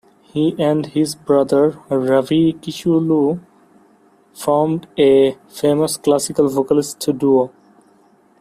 He and his brother, Ravi Kichlu, formed a famous classical vocalist duo.